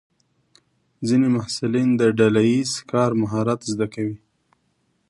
ځینې محصلین د ډله ییز کار مهارت زده کوي.